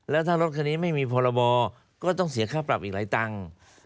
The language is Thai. แล้วถ้ารถคันนี้ไม่มีพรบก็ต้องเสียค่าปรับอีกหลายตังค์